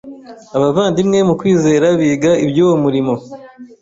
abavandimwe mu kwizera biga iby’uwo murimo